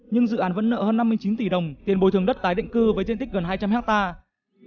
nhưng dự án vẫn nợ hơn năm mươi chín tỷ đồng tiền bồi thường đất tái định cư với diện tích gần hai trăm linh hectare